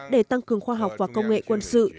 để tăng cường khoa học và công nghệ quân sự